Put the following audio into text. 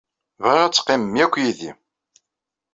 Bɣiɣ ad teqqimem akk yid-i.